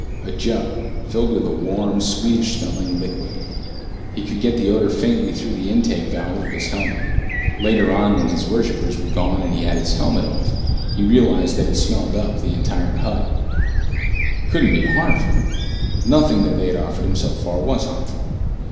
A jug, filled with a warm, sweetish smelling liquid. He could get the odor faintly through the intake valve of his helmet. Later on, when his worshippers were gone and he had his helmet off, he realized that it smelled up the entire hut. It couldn't be harmful. Nothing that they had offered him so far was harmful.